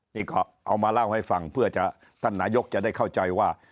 นี่ก็เอามาเล่าให้ฟังเพื่อจะท่านนายกจะได้เข้าใจว่า